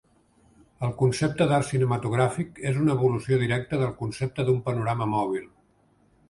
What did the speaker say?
El concepte d'art cinematogràfic és una evolució directa del concepte d'un panorama mòbil.